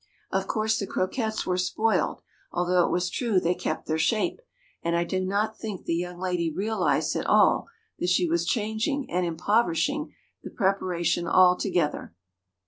Of course the croquettes were spoiled, although it was true they kept their shape, and I do not think the young lady realized at all that she was changing and impoverishing the preparation altogether.